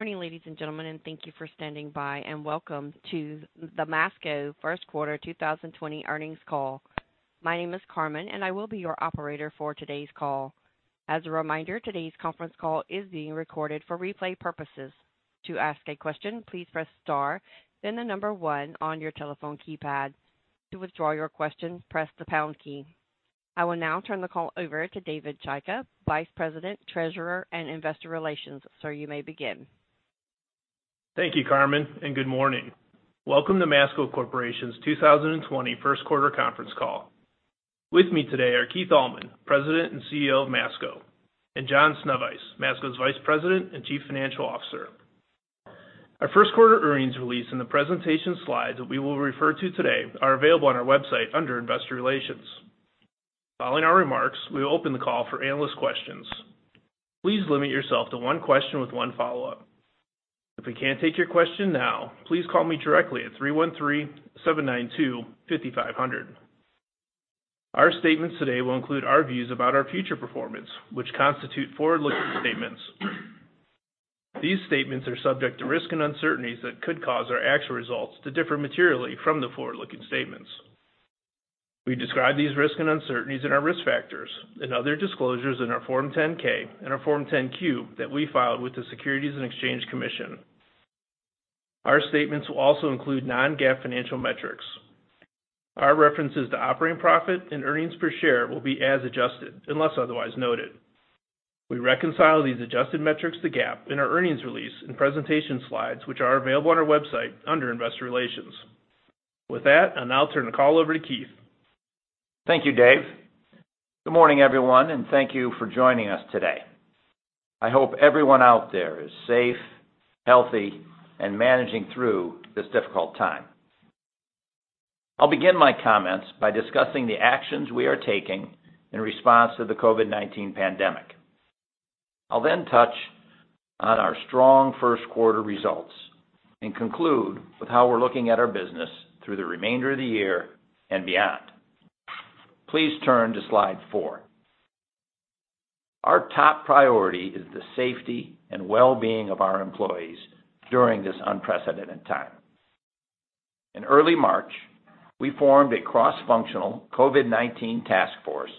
Good morning, ladies and gentlemen, and thank you for standing by, and welcome to the Masco First Quarter 2020 Earnings Call. My name is Carmen, and I will be your operator for today's call. As a reminder, today's conference call is being recorded for replay purposes. To ask a question, please press star then the number one on your telephone keypad. To withdraw your question, press the pound key. I will now turn the call over to David Chaika, Vice President, Treasurer, and Investor Relations. Sir, you may begin. Thank you, Carmen. Good morning. Welcome to Masco Corporation's 2020 First Quarter Conference Call. With me today are Keith Allman, President and CEO of Masco, and John Sznewajs, Masco's Vice President and Chief Financial Officer. Our first quarter earnings release and the presentation slides that we will refer to today are available on our website under Investor Relations. Following our remarks, we will open the call for analyst questions. Please limit yourself to one question with one follow-up. If we can't take your question now, please call me directly at 313-792-5500. Our statements today will include our views about our future performance, which constitute forward-looking statements. These statements are subject to risks and uncertainties that could cause our actual results to differ materially from the forward-looking statements. We describe these risks and uncertainties in our risk factors and other disclosures in our Form 10-K and our Form 10-Q that we filed with the Securities and Exchange Commission. Our statements will also include non-GAAP financial metrics. Our references to operating profit and earnings per share will be as adjusted unless otherwise noted. We reconcile these adjusted metrics to GAAP in our earnings release and presentation slides, which are available on our website under Investor Relations. With that, I'll now turn the call over to Keith. Thank you, Dave. Good morning, everyone. Thank you for joining us today. I hope everyone out there is safe, healthy, and managing through this difficult time. I'll begin my comments by discussing the actions we are taking in response to the COVID-19 pandemic. I'll touch on our strong first quarter results and conclude with how we're looking at our business through the remainder of the year and beyond. Please turn to slide four. Our top priority is the safety and well-being of our employees during this unprecedented time. In early March, we formed a cross-functional COVID-19 task force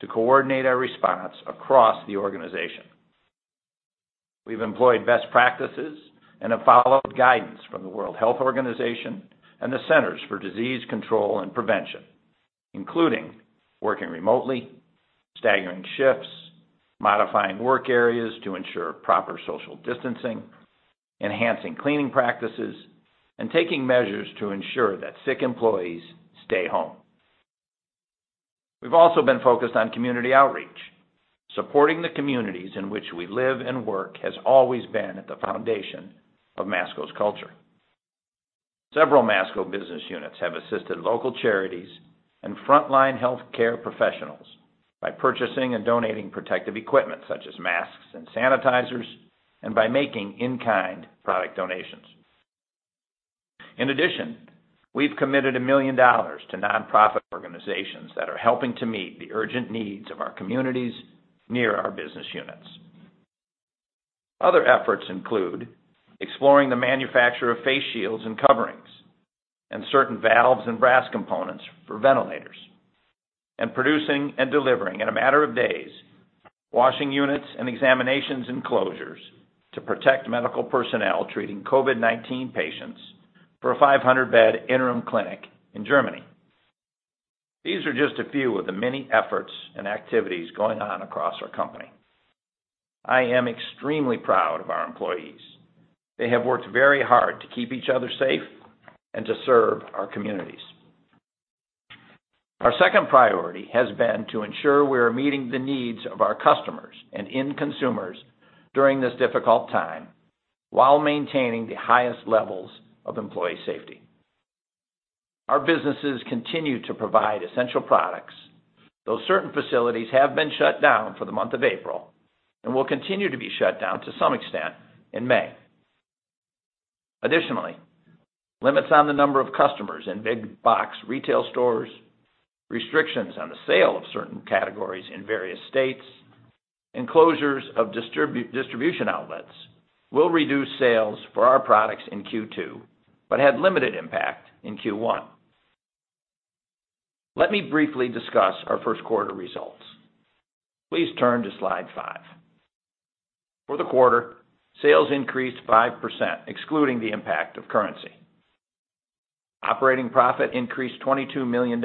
to coordinate our response across the organization. We've employed best practices and have followed guidance from the World Health Organization and the Centers for Disease Control and Prevention, including working remotely, staggering shifts, modifying work areas to ensure proper social distancing, enhancing cleaning practices, and taking measures to ensure that sick employees stay home. We've also been focused on community outreach. Supporting the communities in which we live and work has always been at the foundation of Masco's culture. Several Masco business units have assisted local charities and frontline healthcare professionals by purchasing and donating protective equipment such as masks and sanitizers and by making in-kind product donations. In addition, we've committed $1 million to nonprofit organizations that are helping to meet the urgent needs of our communities near our business units. Other efforts include exploring the manufacture of face shields and coverings and certain valves and brass components for ventilators and producing and delivering, in a matter of days, washing units and examination enclosures to protect medical personnel treating COVID-19 patients for a 500-bed interim clinic in Germany. These are just a few of the many efforts and activities going on across our company. I am extremely proud of our employees. They have worked very hard to keep each other safe and to serve our communities. Our second priority has been to ensure we are meeting the needs of our customers and end consumers during this difficult time while maintaining the highest levels of employee safety. Our businesses continue to provide essential products, though certain facilities have been shut down for the month of April and will continue to be shut down to some extent in May. Additionally, limits on the number of customers in big box retail stores, restrictions on the sale of certain categories in various states, and closures of distribution outlets will reduce sales for our products in Q2 but had limited impact in Q1. Let me briefly discuss our first quarter results. Please turn to slide five. For the quarter, sales increased 5%, excluding the impact of currency. Operating profit increased $22 million,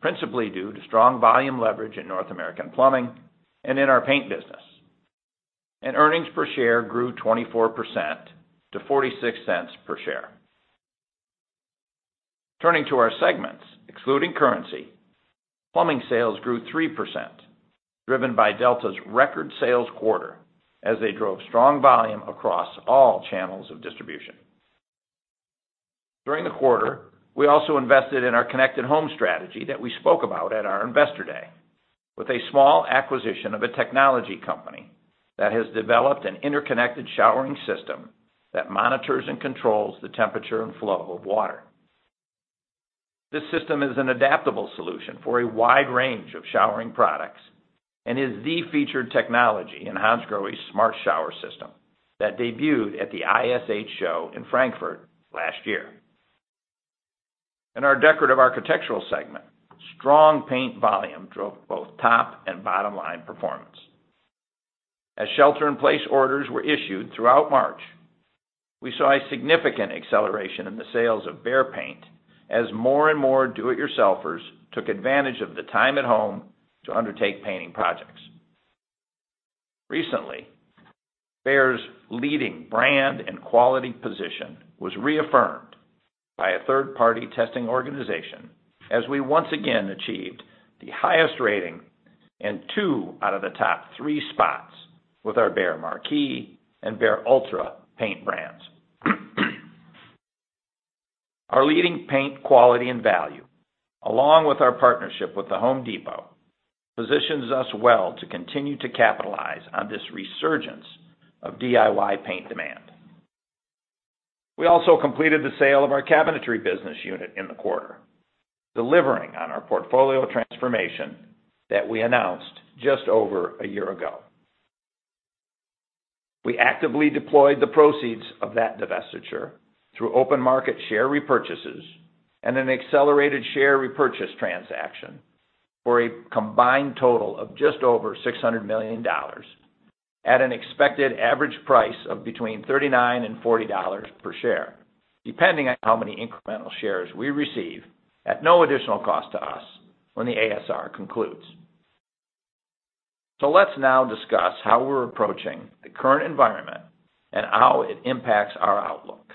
principally due to strong volume leverage in North American plumbing and in our paint business. Earnings per share grew 24% to $0.46 per share. Turning to our segments, excluding currency, Plumbing sales grew 3%, driven by Delta's record sales quarter as they drove strong volume across all channels of distribution. During the quarter, we also invested in our connected home strategy that we spoke about at our investor day with a small acquisition of a technology company that has developed an interconnected showering system that monitors and controls the temperature and flow of water. This system is an adaptable solution for a wide range of showering products and is the featured technology in Hansgrohe's smart shower system that debuted at the ISH show in Frankfurt last year. In our Decorative Architectural segment, strong paint volume drove both top and bottom line performance. As shelter-in-place orders were issued throughout March, we saw a significant acceleration in the sales of BEHR paint as more and more do-it-yourselfers took advantage of the time at home to undertake painting projects. Recently, Behr's leading brand and quality position was reaffirmed by a third-party testing organization as we once again achieved the highest rating in two out of the top three spots with our BEHR MARQUEE and BEHR ULTRA paint brands. Our leading paint quality and value, along with our partnership with The Home Depot, positions us well to continue to capitalize on this resurgence of DIY paint demand. We also completed the sale of our cabinetry business unit in the quarter, delivering on our portfolio transformation that we announced just over a year ago. We actively deployed the proceeds of that divestiture through open market share repurchases and an accelerated share repurchase transaction for a combined total of just over $600 million at an expected average price of between $39 and $40 per share, depending on how many incremental shares we receive at no additional cost to us when the ASR concludes. Let's now discuss how we're approaching the current environment and how it impacts our outlook.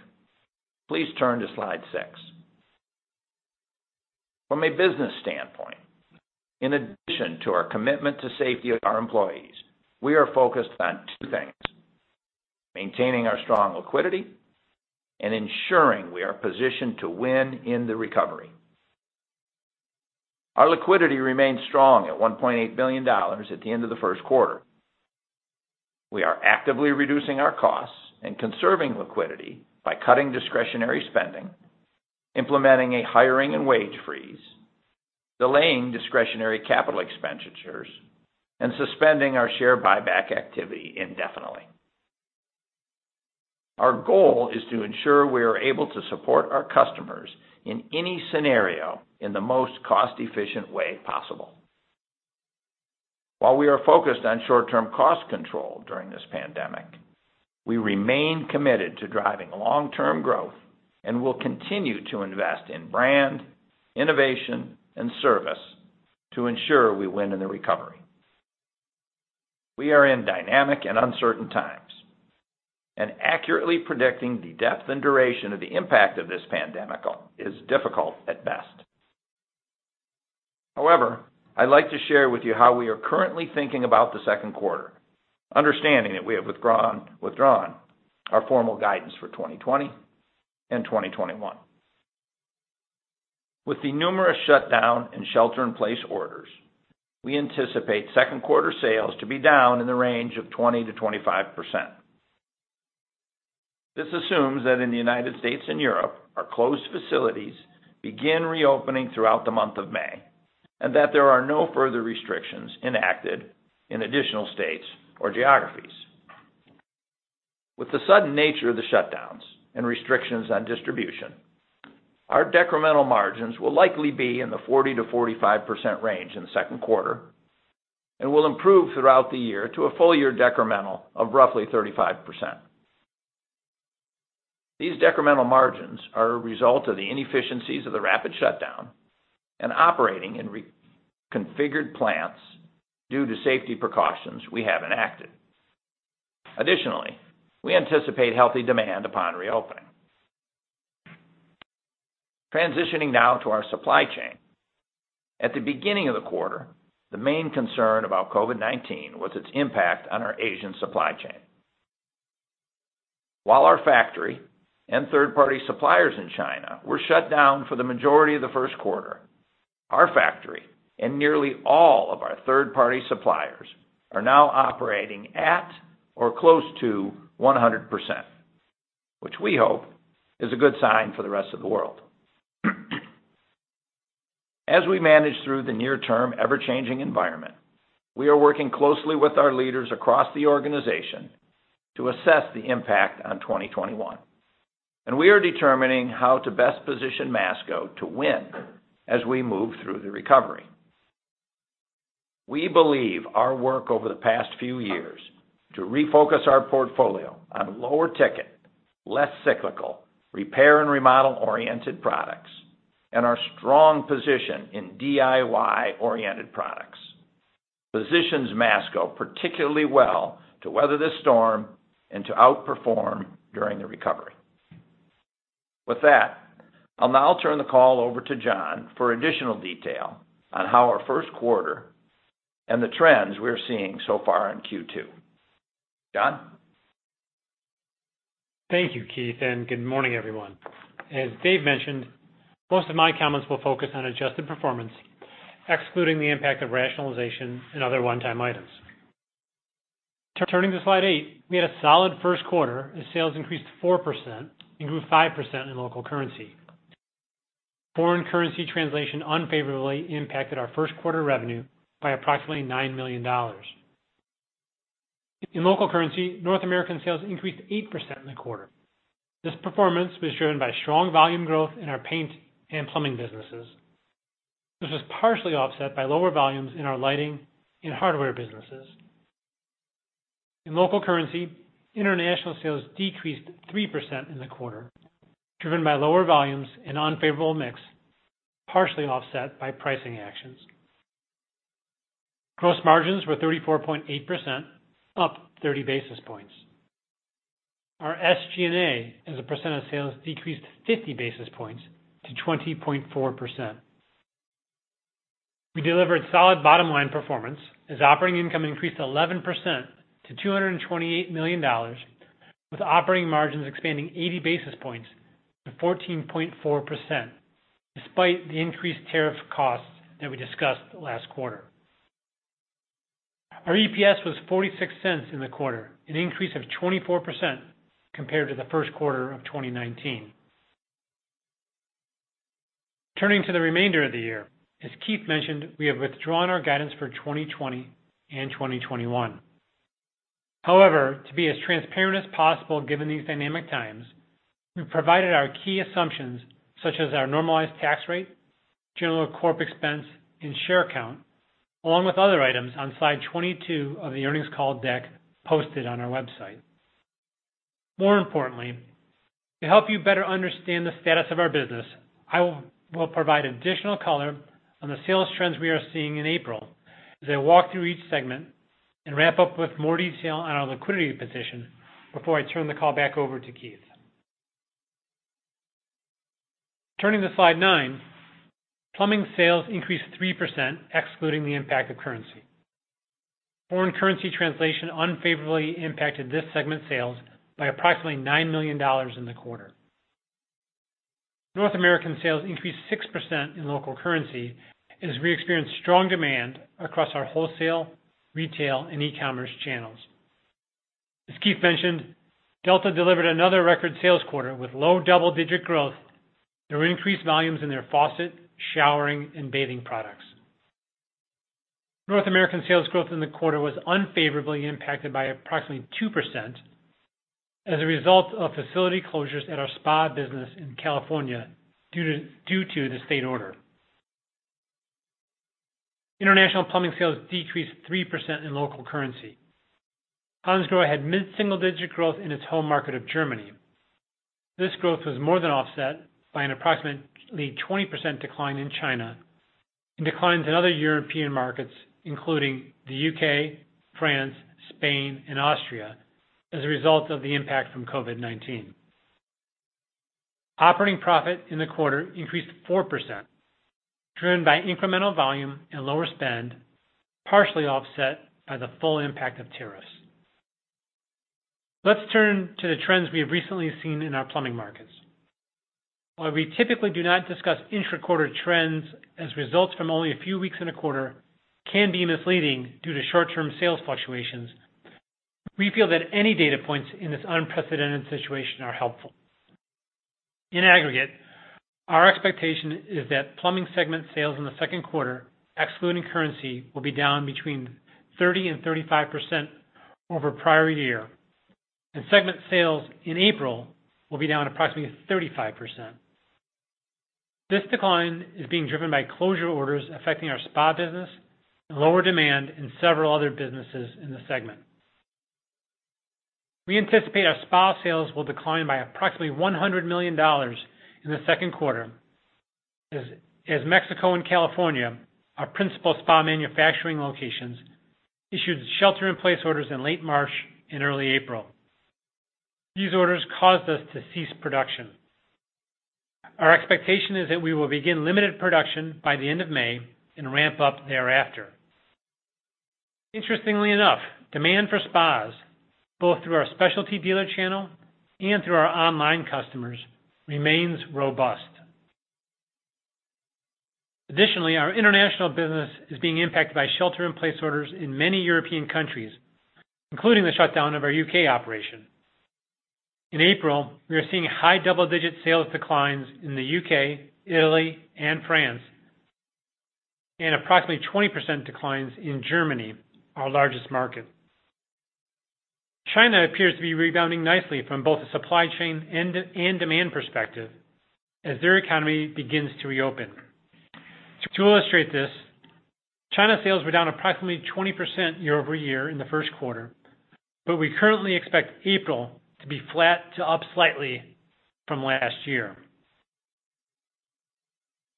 Please turn to slide six. From a business standpoint, in addition to our commitment to safety of our employees, we are focused on two things, maintaining our strong liquidity and ensuring we are positioned to win in the recovery. Our liquidity remains strong at $1.8 billion at the end of the first quarter. We are actively reducing our costs and conserving liquidity by cutting discretionary spending, implementing a hiring and wage freeze, delaying discretionary capital expenditures, and suspending our share buyback activity indefinitely. Our goal is to ensure we are able to support our customers in any scenario in the most cost-efficient way possible. While we are focused on short-term cost control during this pandemic, we remain committed to driving long-term growth and will continue to invest in brand, innovation, and service to ensure we win in the recovery. We are in dynamic and uncertain times, and accurately predicting the depth and duration of the impact of this pandemic is difficult at best. However, I'd like to share with you how we are currently thinking about the second quarter, understanding that we have withdrawn our formal guidance for 2020 and 2021. With the numerous shutdown and shelter-in-place orders, we anticipate second quarter sales to be down in the range of 20%-25%. This assumes that in the United States and Europe, our closed facilities begin reopening throughout the month of May, and that there are no further restrictions enacted in additional states or geographies. With the sudden nature of the shutdowns and restrictions on distribution, our decremental margins will likely be in the 40%-45% range in the second quarter and will improve throughout the year to a full-year decremental of roughly 35%. These decremental margins are a result of the inefficiencies of the rapid shutdown and operating in reconfigured plants due to safety precautions we have enacted. Additionally, we anticipate healthy demand upon reopening. Transitioning now to our supply chain. At the beginning of the quarter, the main concern about COVID-19 was its impact on our Asian supply chain. While our factory and third-party suppliers in China were shut down for the majority of the first quarter, our factory and nearly all of our third-party suppliers are now operating at or close to 100%, which we hope is a good sign for the rest of the world. As we manage through the near-term, ever-changing environment, we are working closely with our leaders across the organization to assess the impact on 2021, and we are determining how to best position Masco to win as we move through the recovery. We believe our work over the past few years to refocus our portfolio on lower ticket, less cyclical, repair and remodel-oriented products, and our strong position in DIY-oriented products positions Masco particularly well to weather this storm and to outperform during the recovery. With that, I'll now turn the call over to John for additional detail on how our first quarter and the trends we are seeing so far in Q2. John? Thank you, Keith, and good morning, everyone. As Dave mentioned, most of my comments will focus on adjusted performance, excluding the impact of rationalization and other one-time items. Turning to slide eight, we had a solid first quarter as sales increased 4% and grew 5% in local currency. Foreign currency translation unfavorably impacted our first quarter revenue by approximately $9 million. In local currency, North American sales increased 8% in the quarter. This performance was driven by strong volume growth in our paint and plumbing businesses. This was partially offset by lower volumes in our lighting and hardware businesses. In local currency, international sales decreased 3% in the quarter, driven by lower volumes and unfavorable mix, partially offset by pricing actions. Gross margins were 34.8%, up 30 basis points. Our SG&A as a percent of sales decreased 50 basis points to 20.4%. We delivered solid bottom-line performance as operating income increased 11% to $228 million with operating margins expanding 80 basis points to 14.4%, despite the increased tariff costs that we discussed last quarter. Our EPS was $0.46 in the quarter, an increase of 24% compared to the first quarter of 2019. Turning to the remainder of the year, as Keith mentioned, we have withdrawn our guidance for 2020 and 2021. However, to be as transparent as possible given these dynamic times, we've provided our key assumptions such as our normalized tax rate, general and corp expense, and share count, along with other items on slide 22 of the earnings call deck posted on our website. More importantly, to help you better understand the status of our business, I will provide additional color on the sales trends we are seeing in April as I walk through each segment and wrap up with more detail on our liquidity position before I turn the call back over to Keith. Turning to slide nine, Plumbing sales increased 3%, excluding the impact of currency. Foreign currency translation unfavorably impacted this segment's sales by approximately $9 million in the quarter. North American sales increased 6% in local currency as we experienced strong demand across our wholesale, retail, and e-commerce channels. As Keith mentioned, Delta delivered another record sales quarter with low double-digit growth through increased volumes in their faucet, showering, and bathing products. North American sales growth in the quarter was unfavorably impacted by approximately 2% as a result of facility closures at our spa business in California due to the state order. International Plumbing sales decreased 3% in local currency. Hansgrohe had mid-single-digit growth in its home market of Germany. This growth was more than offset by an approximately 20% decline in China and declines in other European markets, including the U.K., France, Spain, and Austria, as a result of the impact from COVID-19. Operating profit in the quarter increased 4%, driven by incremental volume and lower spend, partially offset by the full impact of tariffs. Let's turn to the trends we have recently seen in our Plumbing markets. While we typically do not discuss intra-quarter trends as results from only a few weeks in a quarter can be misleading due to short-term sales fluctuations, we feel that any data points in this unprecedented situation are helpful. In aggregate, our expectation is that Plumbing segment sales in the second quarter, excluding currency, will be down between 30% and 35% over prior year, and segment sales in April will be down approximately 35%. This decline is being driven by closure orders affecting our spa business and lower demand in several other businesses in the segment. We anticipate our spa sales will decline by approximately $100 million in the second quarter as Mexico and California, our principal spa manufacturing locations, issued shelter-in-place orders in late March and early April. These orders caused us to cease production. Our expectation is that we will begin limited production by the end of May and ramp up thereafter. Interestingly enough, demand for spas, both through our specialty dealer channel and through our online customers, remains robust. Additionally, our international business is being impacted by shelter-in-place orders in many European countries, including the shutdown of our U.K. operation. In April, we are seeing high double-digit sales declines in the U.K., Italy, and France, and approximately 20% declines in Germany, our largest market. China appears to be rebounding nicely from both a supply chain and demand perspective as their economy begins to reopen. To illustrate this, China sales were down approximately 20% year-over-year in the first quarter, but we currently expect April to be flat to up slightly from last year.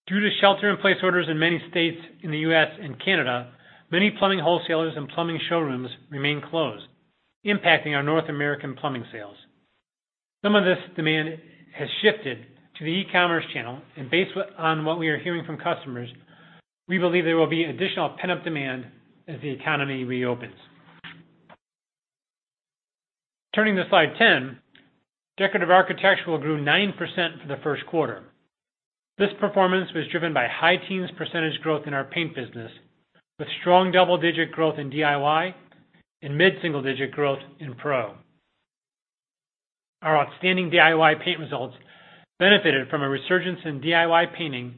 Due to shelter-in-place orders in many states in the U.S. and Canada, many plumbing wholesalers and plumbing showrooms remain closed, impacting our North American Plumbing sales. Some of this demand has shifted to the e-commerce channel. Based on what we are hearing from customers, we believe there will be additional pent-up demand as the economy reopens. Turning to slide 10, Decorative Architectural grew 9% for the first quarter. This performance was driven by high teens percentage growth in our paint business, with strong double-digit growth in DIY and mid-single-digit growth in Pro. Our outstanding DIY paint results benefited from a resurgence in DIY painting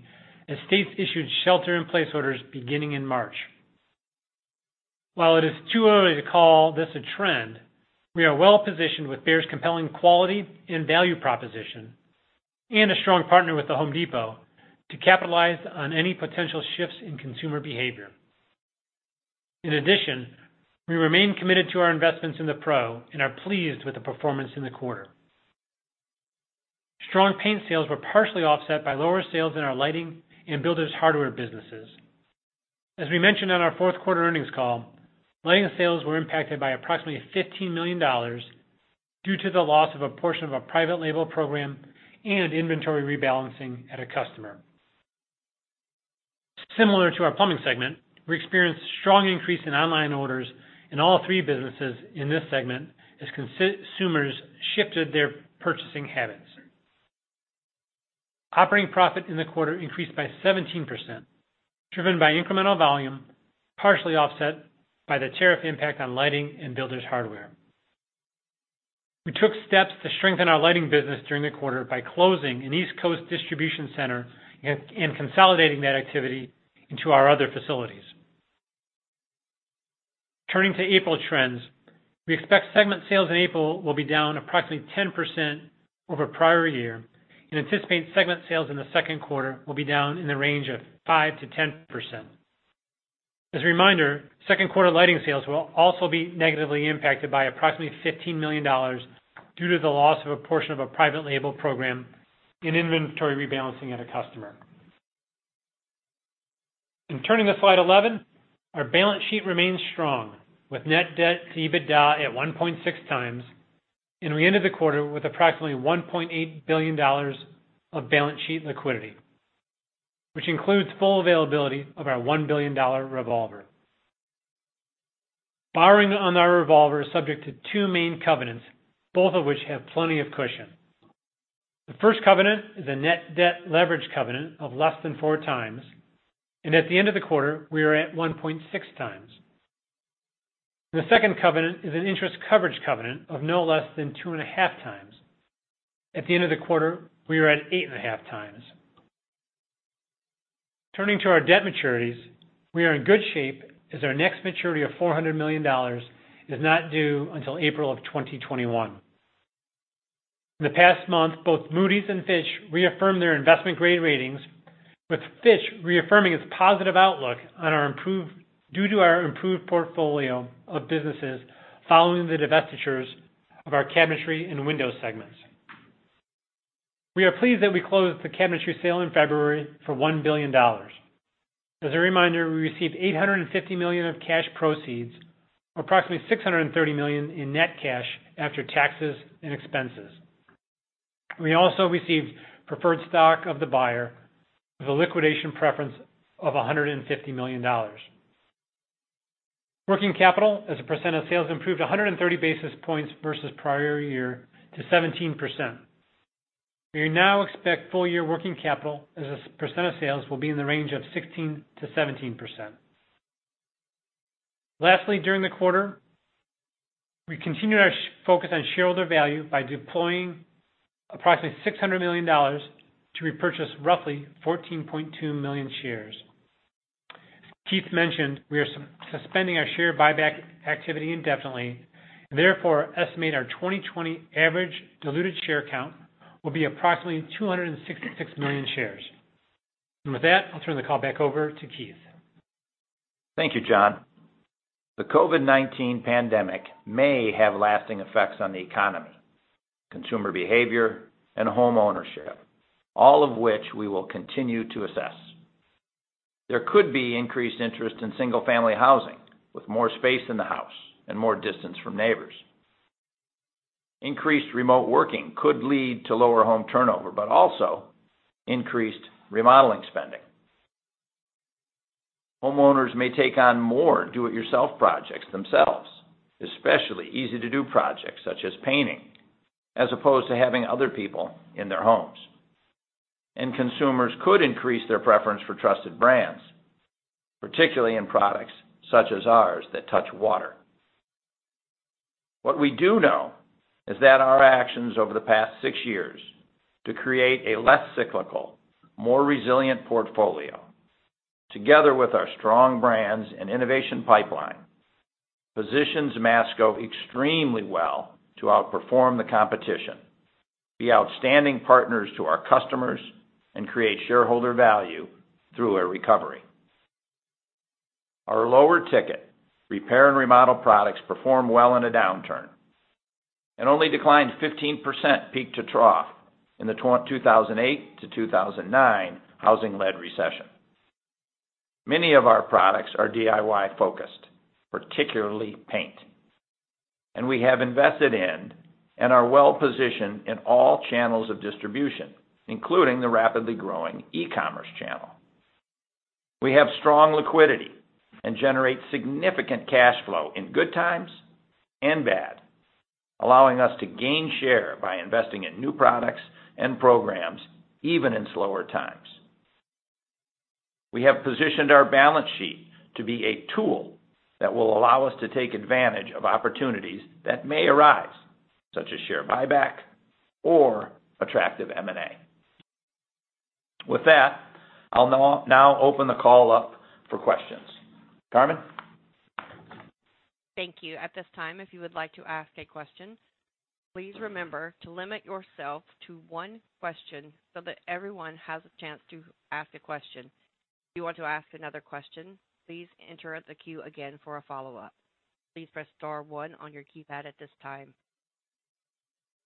as states issued shelter-in-place orders beginning in March. While it is too early to call this a trend, we are well-positioned with Behr's compelling quality and value proposition and a strong partner with The Home Depot to capitalize on any potential shifts in consumer behavior. We remain committed to our investments in the Pro and are pleased with the performance in the quarter. Strong paint sales were partially offset by lower sales in our lighting and builders' hardware businesses. As we mentioned on our fourth quarter earnings call, lighting sales were impacted by approximately $15 million due to the loss of a portion of a private label program and inventory rebalancing at a customer. Similar to our Plumbing segment, we experienced strong increase in online orders in all three businesses in this segment as consumers shifted their purchasing habits. Operating profit in the quarter increased by 17%, driven by incremental volume, partially offset by the tariff impact on lighting and builders' hardware. We took steps to strengthen our lighting business during the quarter by closing an East Coast distribution center and consolidating that activity into our other facilities. Turning to April trends, we expect segment sales in April will be down approximately 10% over prior year and anticipate segment sales in the second quarter will be down in the range of 5%-10%. As a reminder, second quarter lighting sales will also be negatively impacted by approximately $15 million due to the loss of a portion of a private label program and inventory rebalancing at a customer. In turning to slide 11, our balance sheet remains strong with net debt to EBITDA at 1.6x. We ended the quarter with approximately $1.8 billion of balance sheet liquidity, which includes full availability of our $1 billion revolver. Borrowing on our revolver is subject to two main covenants, both of which have plenty of cushion. The first covenant is a net debt leverage covenant of less than four times. At the end of the quarter, we are at 1.6x. The second covenant is an interest coverage covenant of no less than two and a half times. At the end of the quarter, we are at eight and a half times. Turning to our debt maturities, we are in good shape as our next maturity of $400 million is not due until April of 2021. In the past month, both Moody's and Fitch reaffirmed their investment-grade ratings, with Fitch reaffirming its positive outlook due to our improved portfolio of businesses following the divestitures of our cabinetry and windows segments. We are pleased that we closed the cabinetry sale in February for $1 billion. As a reminder, we received $850 million of cash proceeds, or approximately $630 million in net cash after taxes and expenses. We also received preferred stock of the buyer with a liquidation preference of $150 million. Working capital as a percent of sales improved 130 basis points versus prior year to 17%. We now expect full-year working capital as a percent of sales will be in the range of 16%-17%. Lastly, during the quarter, we continued our focus on shareholder value by deploying approximately $600 million to repurchase roughly 14.2 million shares. Keith mentioned we are suspending our share buyback activity indefinitely, therefore, estimate our 2020 average diluted share count will be approximately 266 million shares. With that, I'll turn the call back over to Keith. Thank you, John. The COVID-19 pandemic may have lasting effects on the economy, consumer behavior, and homeownership, all of which we will continue to assess. There could be increased interest in single-family housing with more space in the house and more distance from neighbors. Increased remote working could lead to lower home turnover, but also increased remodeling spending. Homeowners may take on more do-it-yourself projects themselves, especially easy-to-do projects such as painting, as opposed to having other people in their homes. Consumers could increase their preference for trusted brands, particularly in products such as ours that touch water. What we do know is that our actions over the past six years to create a less cyclical, more resilient portfolio, together with our strong brands and innovation pipeline, positions Masco extremely well to outperform the competition, be outstanding partners to our customers, and create shareholder value through a recovery. Our lower ticket repair and remodel products perform well in a downturn and only declined 15% peak to trough in the 2008-2009 housing-led recession. Many of our products are DIY-focused, particularly paint. We have invested in and are well-positioned in all channels of distribution, including the rapidly growing e-commerce channel. We have strong liquidity and generate significant cash flow in good times and bad, allowing us to gain share by investing in new products and programs, even in slower times. We have positioned our balance sheet to be a tool that will allow us to take advantage of opportunities that may arise, such as share buyback or attractive M&A. With that, I'll now open the call up for questions. Carmen? Thank you. At this time, if you would like to ask a question, please remember to limit yourself to one question so that everyone has a chance to ask a question. If you want to ask another question, please enter the queue again for a follow-up. Please press star one on your keypad at this time.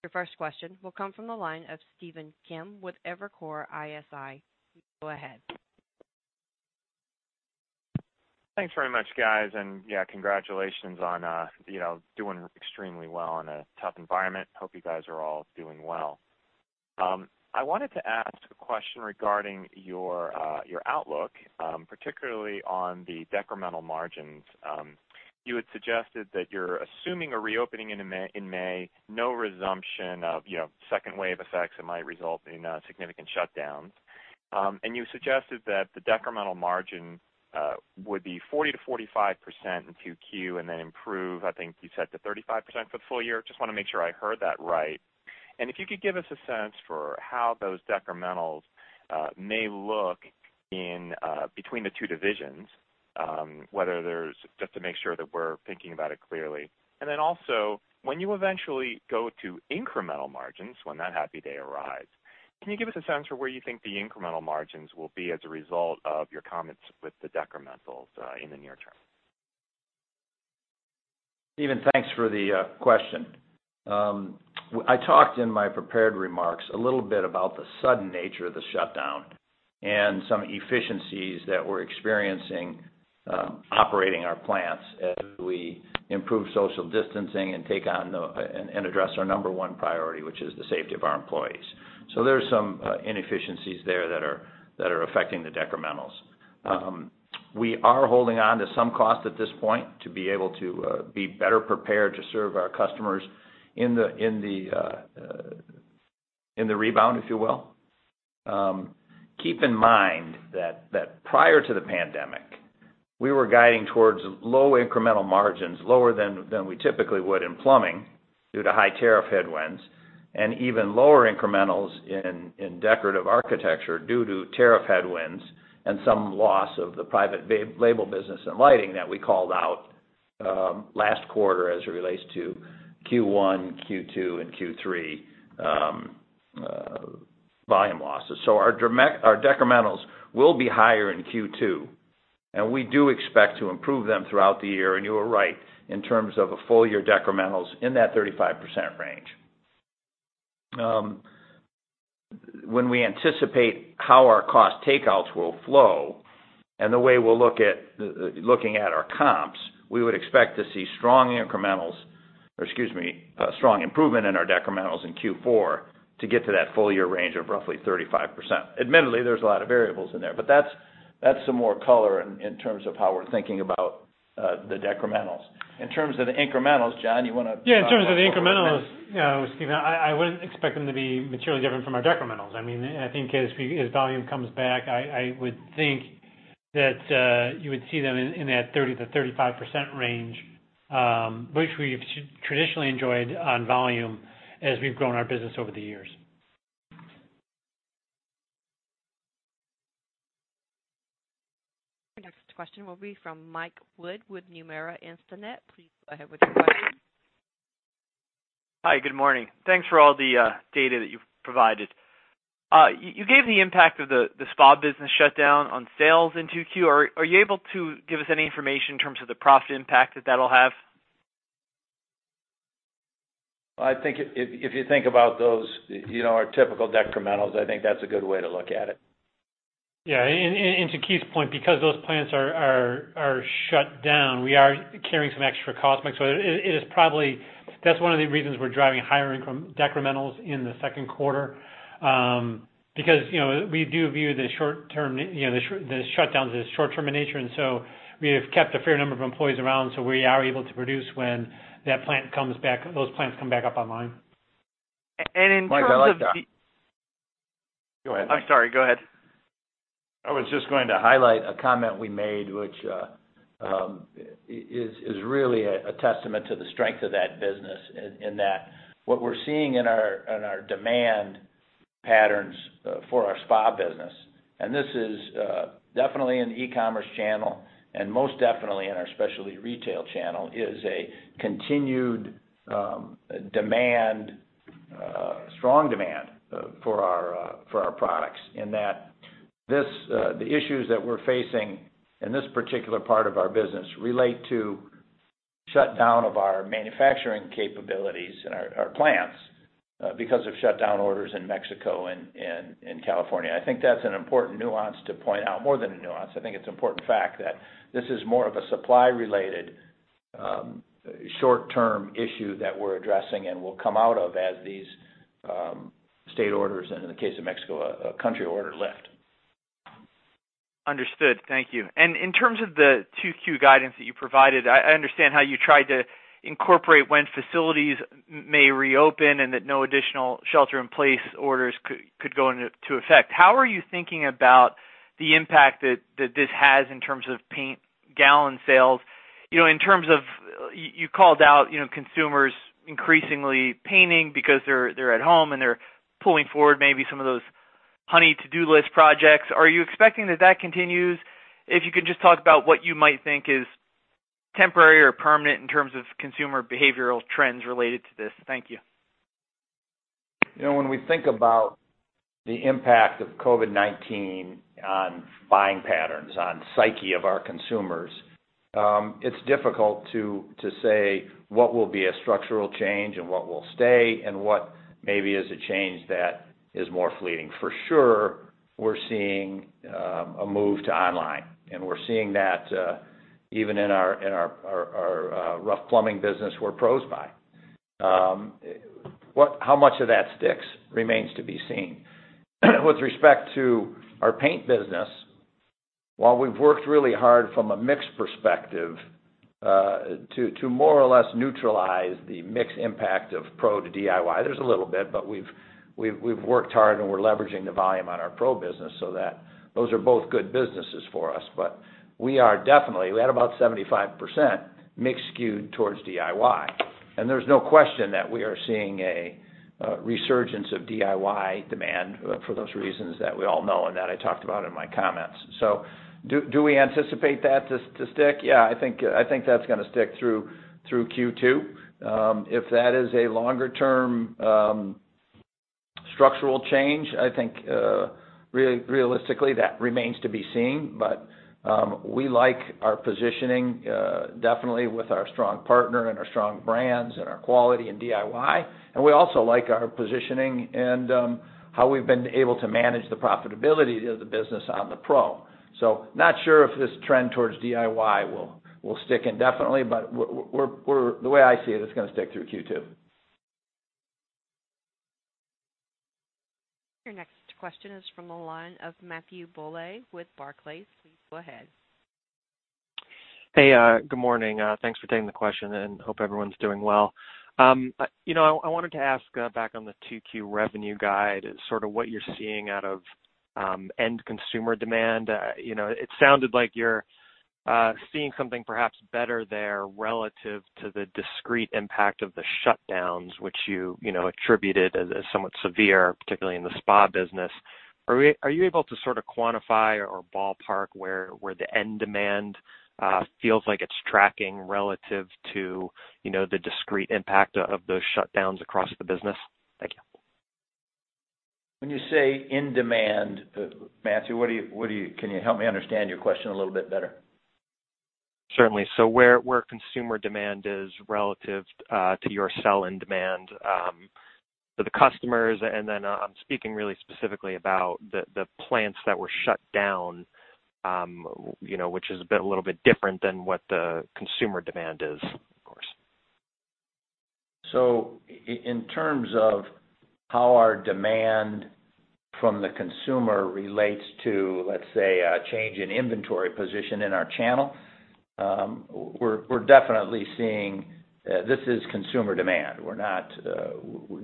Your first question will come from the line of Stephen Kim with Evercore ISI. Go ahead. Thanks very much, guys. Yeah, congratulations on doing extremely well in a tough environment. Hope you guys are all doing well. I wanted to ask a question regarding your outlook, particularly on the decremental margins. You had suggested that you're assuming a reopening in May, no resumption of second wave effects that might result in significant shutdowns. You suggested that the decremental margin would be 40%-45% in 2Q and then improve, I think you said, to 35% for the full year. Just want to make sure I heard that right. If you could give us a sense for how those decrementals may look between the two divisions, just to make sure that we're thinking about it clearly. Also, when you eventually go to incremental margins, when that happy day arrives, can you give us a sense for where you think the incremental margins will be as a result of your comments with the decrementals in the near term? Stephen, thanks for the question. I talked in my prepared remarks a little bit about the sudden nature of the shutdown and some efficiencies that we're experiencing operating our plants as we improve social distancing and address our number one priority, which is the safety of our employees. There's some inefficiencies there that are affecting the decrementals. We are holding on to some cost at this point to be able to be better prepared to serve our customers in the rebound, if you will. Keep in mind that prior to the pandemic, we were guiding towards low incremental margins, lower than we typically would in Plumbing due to high tariff headwinds, and even lower incrementals in Decorative Architecture due to tariff headwinds and some loss of the private label business and lighting that we called out last quarter as it relates to Q1, Q2, and Q3 volume losses. Our decrementals will be higher in Q2, and we do expect to improve them throughout the year, and you are right, in terms of a full year decrementals in that 35% range. When we anticipate how our cost takeouts will flow and the way we're looking at our comps, we would expect to see strong improvement in our decrementals in Q4 to get to that full year range of roughly 35%. Admittedly, there's a lot of variables in there, but that's some more color in terms of how we're thinking about the decrementals. In terms of the incrementals, John, you want to talk about those a little bit? Yeah, in terms of the incrementals, Stephen, I wouldn't expect them to be materially different from our decrementals. I think as volume comes back, I would think that you would see them in that 30%-35% range, which we've traditionally enjoyed on volume as we've grown our business over the years. Your next question will be from Mike Wood with Nomura Instinet. Please go ahead with your question. Hi, good morning. Thanks for all the data that you've provided. You gave the impact of the spa business shutdown on sales in 2Q. Are you able to give us any information in terms of the profit impact that that'll have? I think if you think about those, our typical decrementals, I think that's a good way to look at it. Yeah. To Keith's point, because those plants are shut down, we are carrying some extra costs. That's one of the reasons we're driving higher decrementals in the second quarter. We do view the shutdowns as short-term in nature, and so we have kept a fair number of employees around, so we are able to produce when those plants come back up online. And in terms of the- Mike, Go ahead. I'm sorry, go ahead. I was just going to highlight a comment we made, which is really a testament to the strength of that business, in that what we're seeing in our demand patterns for our spa business, and this is definitely in the e-commerce channel and most definitely in our specialty retail channel, is a continued strong demand for our products. That the issues that we're facing in this particular part of our business relate to shutdown of our manufacturing capabilities in our plants because of shutdown orders in Mexico and in California. I think that's an important nuance to point out. More than a nuance. I think it's an important fact that this is more of a supply-related, short-term issue that we're addressing and will come out of as these state orders, and in the case of Mexico, a country order lift. Understood. Thank you. In terms of the 2Q guidance that you provided, I understand how you tried to incorporate when facilities may reopen and that no additional shelter-in-place orders could go into effect. How are you thinking about the impact that this has in terms of paint gallon sales? You called out consumers increasingly painting because they're at home, and they're pulling forward maybe some of those honey-do list projects. Are you expecting that that continues? If you could just talk about what you might think is temporary or permanent in terms of consumer behavioral trends related to this. Thank you. When we think about the impact of COVID-19 on buying patterns, on psyche of our consumers, it's difficult to say what will be a structural change and what will stay and what maybe is a change that is more fleeting. We're seeing a move to online, and we're seeing that even in our rough plumbing business where pros buy. How much of that sticks remains to be seen. With respect to our paint business, while we've worked really hard from a mix perspective, to more or less neutralize the mix impact of pro to DIY, there's a little bit, but we've worked hard, and we're leveraging the volume on our pro business so that those are both good businesses for us. We are definitely, we had about 75% mix skewed towards DIY. There's no question that we are seeing a resurgence of DIY demand for those reasons that we all know and that I talked about in my comments. Do we anticipate that to stick? Yeah, I think that's going to stick through Q2. If that is a longer-term structural change, I think, realistically that remains to be seen. We like our positioning, definitely with our strong partner and our strong brands and our quality in DIY. We also like our positioning and how we've been able to manage the profitability of the business on the pro. Not sure if this trend towards DIY will stick indefinitely, but the way I see it's going to stick through Q2. Your next question is from the line of Matthew Bouley with Barclays. Please go ahead. Hey, good morning. Thanks for taking the question, and hope everyone's doing well. I wanted to ask back on the 2Q revenue guide, sort of what you're seeing out of end consumer demand. It sounded like you're seeing something perhaps better there relative to the discrete impact of the shutdowns, which you attributed as somewhat severe, particularly in the spa business. Are you able to sort of quantify or ballpark where the end demand feels like it's tracking relative to the discrete impact of those shutdowns across the business? Thank you. When you say end demand, Matthew, can you help me understand your question a little bit better? Certainly. where consumer demand is relative to your sell-in demand, so the customers, and then I'm speaking really specifically about the plants that were shut down, which is a little bit different than what the consumer demand is, of course. In terms of how our demand from the consumer relates to, let's say, a change in inventory position in our channel, we're definitely seeing this is consumer demand.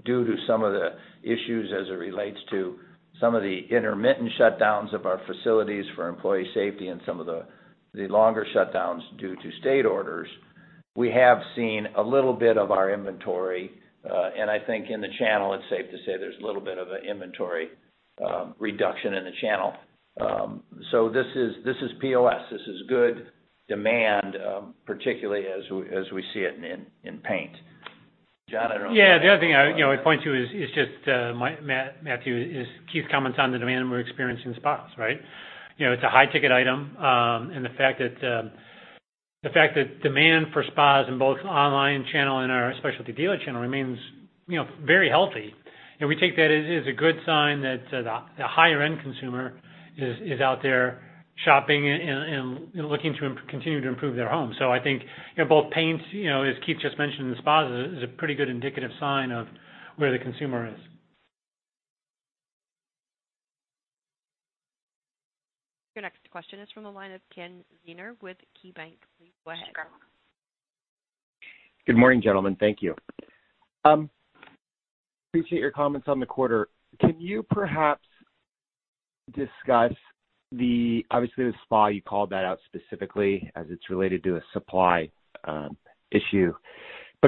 Due to some of the issues as it relates to some of the intermittent shutdowns of our facilities for employee safety and some of the longer shutdowns due to state orders, we have seen a little bit of our inventory. And I think in the channel, it's safe to say there's a little bit of an inventory reduction in the channel. This is POS. This is good demand, particularly as we see it in paint. Yeah. The other thing I would point to is just, Matthew, is Keith's comments on the demand we're experiencing in spas, right? It's a high-ticket item, the fact that demand for spas in both online channel and our specialty dealer channel remains very healthy. We take that as a good sign that the higher-end consumer is out there shopping and looking to continue to improve their home. I think both paints, as Keith just mentioned, and spas is a pretty good indicative sign of where the consumer is. Your next question is from the line of Kenneth Zener with KeyBanc. Please go ahead. Good morning, gentlemen. Thank you. Appreciate your comments on the quarter. Can you perhaps discuss the, obviously, the spa, you called that out specifically as it's related to a supply issue.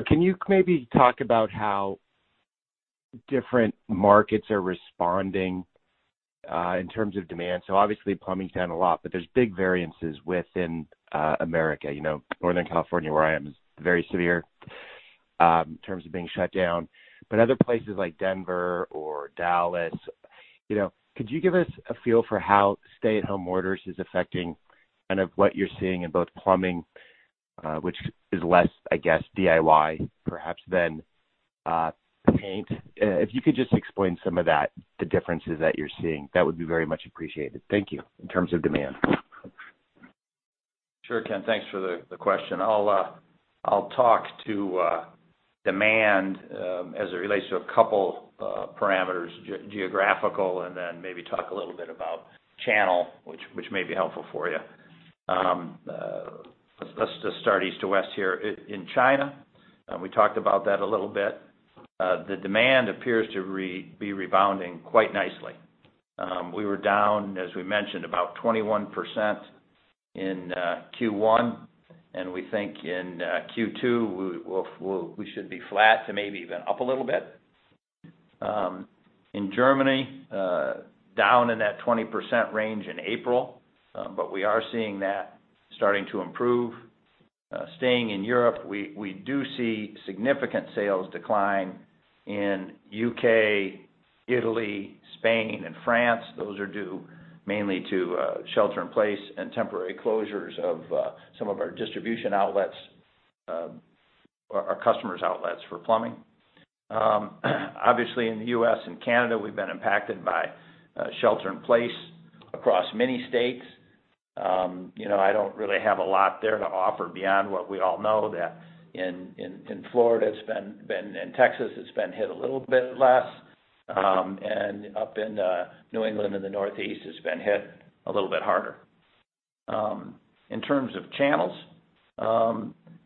Can you maybe talk about how different markets are responding in terms of demand? Obviously, Plumbing's down a lot, but there's big variances within America. Northern California, where I am, is very severe in terms of being shut down. Other places like Denver or Dallas, could you give us a feel for how stay-at-home orders is affecting kind of what you're seeing in both Plumbing, which is less, I guess, DIY perhaps than paint. If you could just explain some of that, the differences that you're seeing, that would be very much appreciated. Thank you. In terms of demand. Sure, Ken. Thanks for the question. I'll talk to demand as it relates to a couple parameters, geographical, and then maybe talk a little bit about channel, which may be helpful for you. Let's just start east to west here. In China, we talked about that a little bit. The demand appears to be rebounding quite nicely. We were down, as we mentioned, about 21% in Q1, and we think in Q2, we should be flat to maybe even up a little bit. In Germany, down in that 20% range in April. We are seeing that starting to improve. Staying in Europe, we do see significant sales decline in U.K., Italy, Spain, and France. Those are due mainly to shelter in place and temporary closures of some of our distribution outlets, our customers' outlets for Plumbing. Obviously, in the U.S. and Canada, we've been impacted by shelter in place across many states. I don't really have a lot there to offer beyond what we all know, that in Florida, and Texas, it's been hit a little bit less. Up in New England and the Northeast, it's been hit a little bit harder. In terms of channels,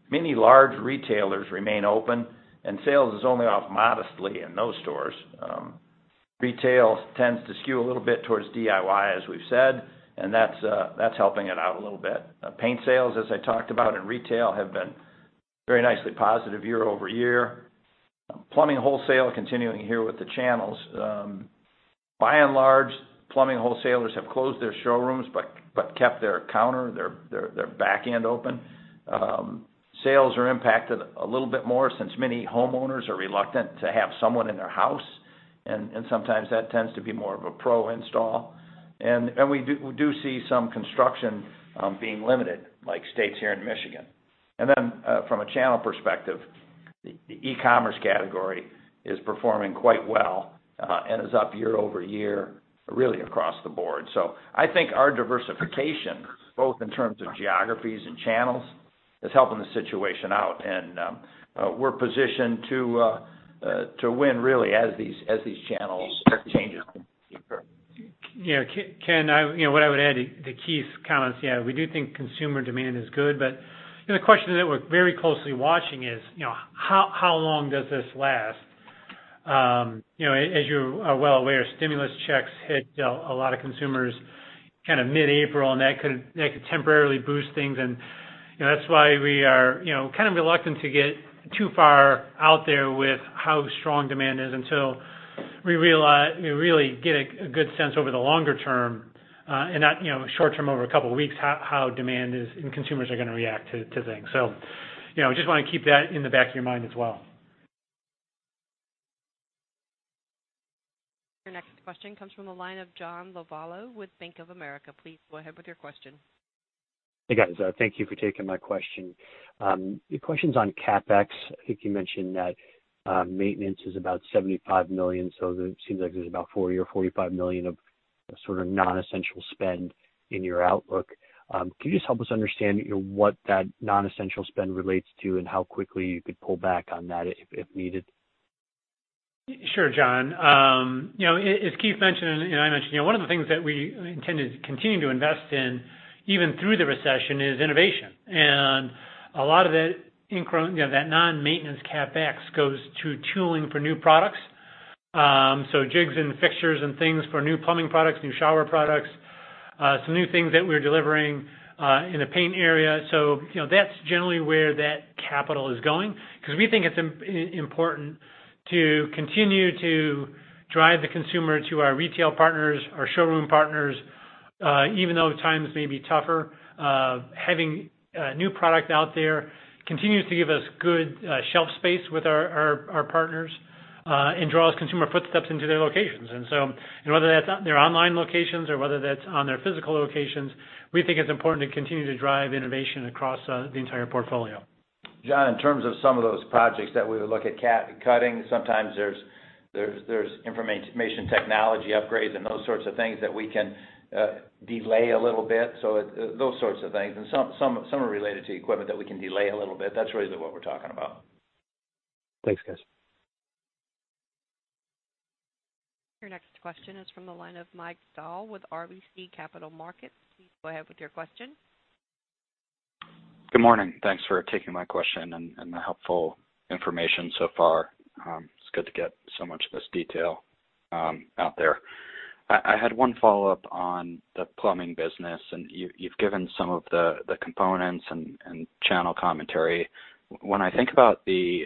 many large retailers remain open and sales is only off modestly in those stores. Retail tends to skew a little bit towards DIY, as we've said, and that's helping it out a little bit. Paint sales, as I talked about in retail, have been very nicely positive year-over-year. Plumbing wholesale, continuing here with the channels. By and large, Plumbing wholesalers have closed their showrooms, but kept their counter, their back end open. Sales are impacted a little bit more since many homeowners are reluctant to have someone in their house, sometimes that tends to be more of a pro install. We do see some construction being limited, like states here in Michigan. Then, from a channel perspective, the e-commerce category is performing quite well, is up year-over-year, really across the board. I think our diversification, both in terms of geographies and channels, is helping the situation out and we're positioned to win, really, as these channels start changing. Ken, what I would add to Keith's comments, we do think consumer demand is good. The question that we're very closely watching is, how long does this last? As you are well aware, stimulus checks hit a lot of consumers mid-April. That could temporarily boost things and that's why we are kind of reluctant to get too far out there with how strong demand is until we really get a good sense over the longer term, not short-term over a couple of weeks, how demand is and consumers are going to react to things. Just want to keep that in the back of your mind as well. Your next question comes from the line of John Lovallo with Bank of America. Please go ahead with your question. Hey, guys. Thank you for taking my question. The question's on CapEx. I think you mentioned that maintenance is about $75 million, so it seems like there's about $40 million or $45 million of non-essential spend in your outlook. Can you just help us understand what that non-essential spend relates to and how quickly you could pull back on that if needed? Sure, John. As Keith mentioned, and I mentioned, one of the things that we intend to continue to invest in, even through the recession, is innovation. A lot of that non-maintenance CapEx goes to tooling for new products. Jigs and fixtures and things for new plumbing products, new shower products, some new things that we're delivering in the paint area. That's generally where that capital is going because we think it's important to continue to drive the consumer to our retail partners, our showroom partners. Even though times may be tougher, having new product out there continues to give us good shelf space with our partners, and draws consumer footsteps into their locations. Whether that's their online locations or whether that's on their physical locations, we think it's important to continue to drive innovation across the entire portfolio. John, in terms of some of those projects that we would look at cutting. Sometimes there's information technology upgrades and those sorts of things that we can delay a little bit. Those sorts of things. Some are related to equipment that we can delay a little bit. That's really what we're talking about. Thanks, guys. Your next question is from the line of Mike Dahl with RBC Capital Markets. Please go ahead with your question. Good morning. Thanks for taking my question and the helpful information so far. It's good to get so much of this detail out there. I had one follow-up on the Plumbing business, and you've given some of the components and channel commentary. When I think about the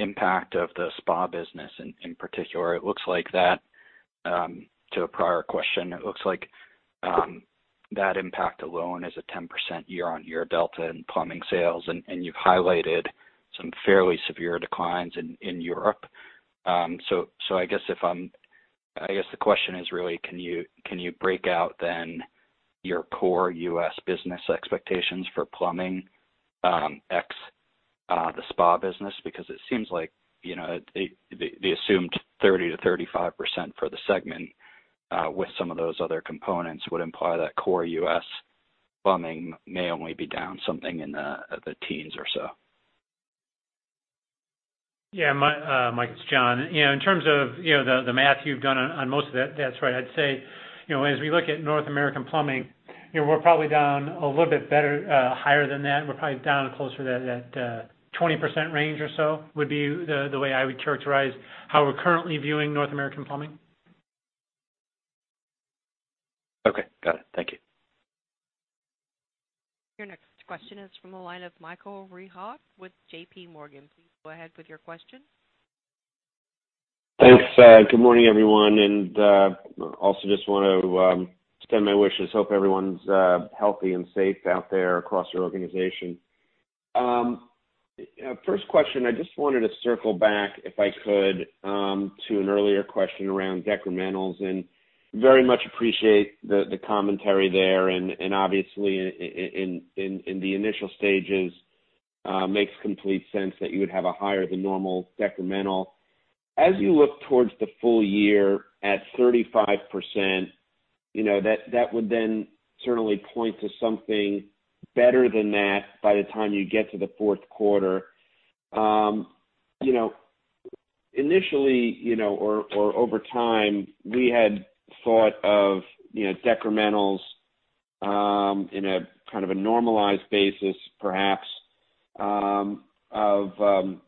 impact of the spa business in particular, it looks like that, to a prior question, it looks like that impact alone is a 10% year-over-year delta in Plumbing sales, and you've highlighted some fairly severe declines in Europe. I guess the question is really, can you break out then your core U.S. business expectations for Plumbing ex the spa business? It seems like the assumed 30%-35% for the segment with some of those other components would imply that core U.S. Plumbing may only be down something in the teens or so. Yeah. Mike, it's John. In terms of the math you've done on most of that's right. I'd say, as we look at North American Plumbing, we're probably down a little bit better, higher than that. We're probably down closer to that 20% range or so would be the way I would characterize how we're currently viewing North American Plumbing. Okay. Got it. Thank you. Your next question is from the line of Michael Rehaut with JPMorgan. Please go ahead with your question. Thanks. Good morning, everyone. Also just want to extend my wishes. Hope everyone's healthy and safe out there across your organization. First question, I just wanted to circle back, if I could, to an earlier question around decrementals. Very much appreciate the commentary there. Obviously, in the initial stages, makes complete sense that you would have a higher than normal decremental. You look towards the full year at 35%, that would certainly point to something better than that by the time you get to the fourth quarter. Initially, or over time, we had thought of decrementals in a kind of a normalized basis, perhaps, of 30%-35%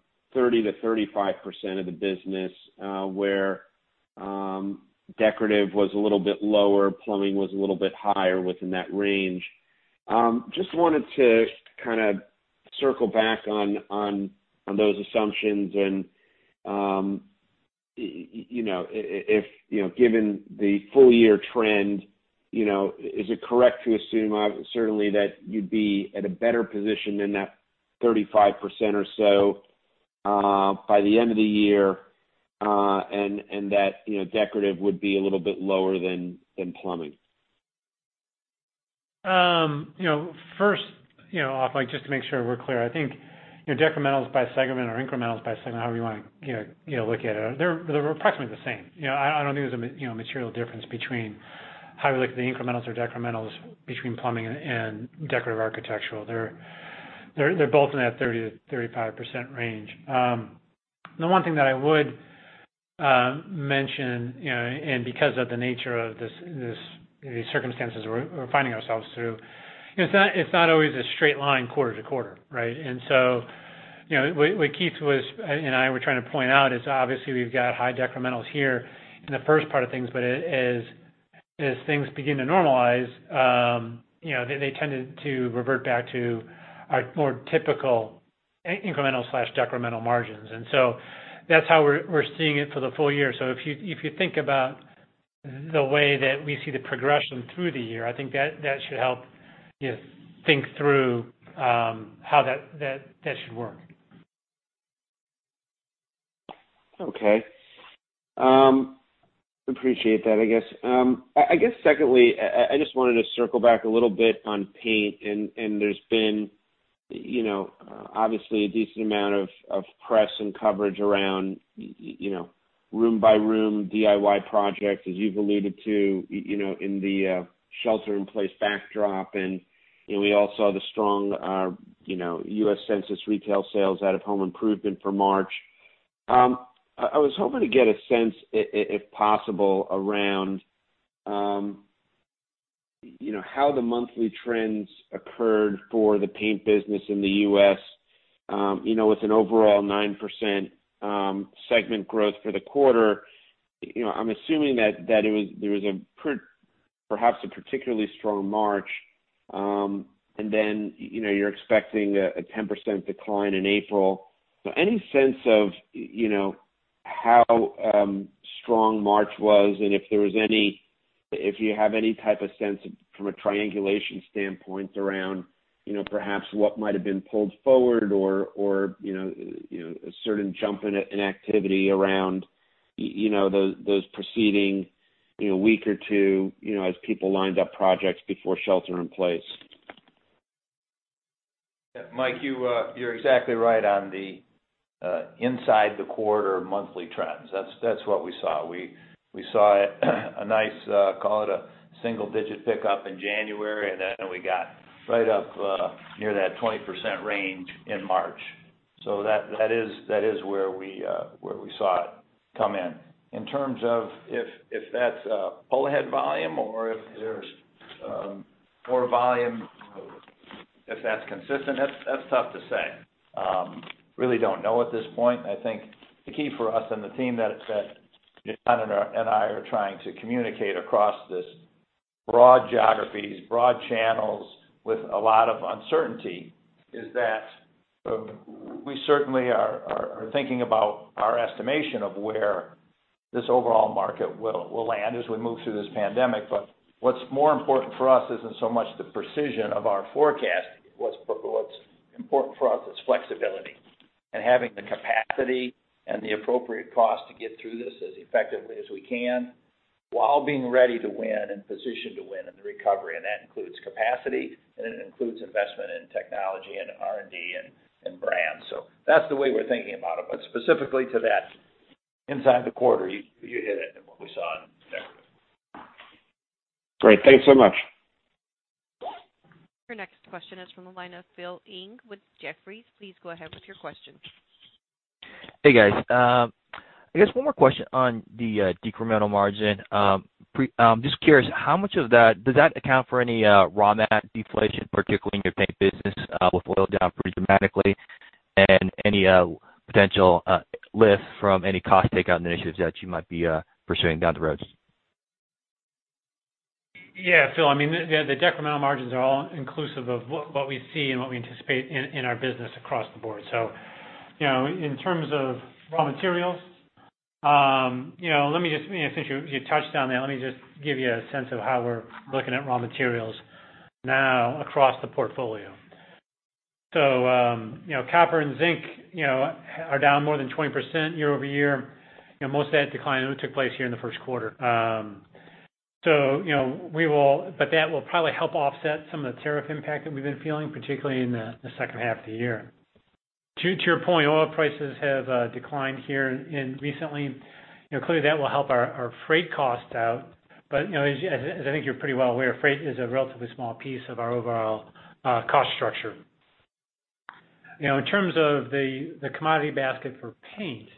of the business, where Decorative was a little bit lower, Plumbing was a little bit higher within that range. Just wanted to kind of circle back on those assumptions and if given the full year trend, is it correct to assume, certainly, that you'd be at a better position than that 35% or so by the end of the year, and that Decorative would be a little bit lower than Plumbing? First off, Mike, just to make sure we're clear, I think decrementals by segment or incrementals by segment, however you want to look at it, they're approximately the same. I don't think there's a material difference between how we look at the incrementals or decrementals between Plumbing and Decorative Architectural. They're both in that 30%-35% range. Because of the nature of these circumstances we're finding ourselves through, it's not always a straight line quarter-to-quarter. Right? What Keith and I were trying to point out is obviously we've got high decrementals here in the first part of things, but as things begin to normalize, they tend to revert back to our more typical incremental/decremental margins. That's how we're seeing it for the full year. If you think about the way that we see the progression through the year, I think that should help think through how that should work. Okay. Appreciate that, I guess. I guess secondly, I just wanted to circle back a little bit on paint. There's been obviously a decent amount of press and coverage around room-by-room DIY projects, as you've alluded to in the shelter-in-place backdrop. We all saw the strong U.S. Census retail sales out of home improvement for March. I was hoping to get a sense, if possible, around how the monthly trends occurred for the paint business in the U.S. With an overall 9% segment growth for the quarter, I'm assuming that there was perhaps a particularly strong March, and then you're expecting a 10% decline in April. Any sense of how strong March was and if you have any type of sense from a triangulation standpoint around perhaps what might have been pulled forward or a certain jump in activity around those preceding week or two as people lined up projects before shelter in place? Mike, you're exactly right on the inside the quarter monthly trends. That's what we saw. We saw a nice, call it a single-digit pickup in January, and then we got right up near that 20% range in March. That is where we saw it come in. In terms of if that's pull ahead volume or if there's more volume, if that's consistent, that's tough to say. Really don't know at this point. I think the key for us and the team that John and I are trying to communicate across this broad geographies, broad channels with a lot of uncertainty is that we certainly are thinking about our estimation of where this overall market will land as we move through this pandemic. What's more important for us isn't so much the precision of our forecast. What's important for us is flexibility. Having the capacity and the appropriate cost to get through this as effectively as we can, while being ready to win and positioned to win in the recovery. That includes capacity, and it includes investment in technology and R&D and brands. That's the way we're thinking about it. Specifically to that, inside the quarter, you hit it in what we saw in the deck. Great. Thanks so much. Your next question is from the line of Phil Ng with Jefferies. Please go ahead with your question. Hey, guys. I guess one more question on the decremental margin. Just curious, how much of that, does that account for any raw mat deflation, particularly in your paint business with oil down pretty dramatically? Any potential lift from any cost takeout initiatives that you might be pursuing down the road? Yeah, Phil, the decremental margins are all inclusive of what we see and what we anticipate in our business across the board. In terms of raw materials, since you touched on that, let me just give you a sense of how we're looking at raw materials now across the portfolio. Copper and zinc are down more than 20% year-over-year. Most of that decline took place here in the first quarter. That will probably help offset some of the tariff impact that we've been feeling, particularly in the second half of the year. True to your point, oil prices have declined here recently. Clearly, that will help our freight costs out. As I think you're pretty well aware, freight is a relatively small piece of our overall cost structure. In terms of the commodity basket for paint,